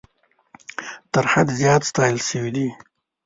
تر حد زیات ستایل سوي دي.